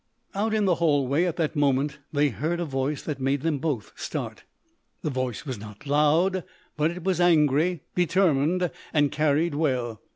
Out in the hallway, at that moment, they heard a voice that made them both start. The voice was not loud, but it was angry, determined, and carried well.